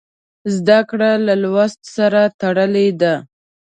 زده کړه له لوست سره تړلې ده.